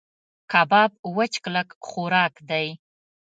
کباب وچ کلک خوراک دی.